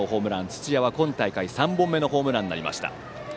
土屋は今大会３本目のホームランになりました。